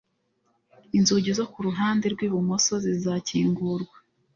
Inzugi zo kuruhande rwibumoso zizakingurwa.